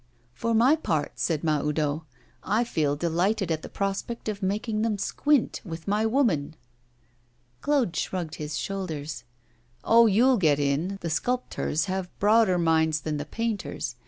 'For my part,' said Mahoudeau, 'I feel delighted at the prospect of making them squint with my woman.' Claude shrugged his shoulders. 'Oh! you'll get in, the sculptors have broader minds than the painters.